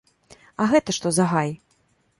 А гэта што за гай?